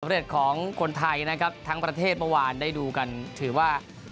เร็จของคนไทยนะครับทั้งประเทศเมื่อวานได้ดูกันถือว่า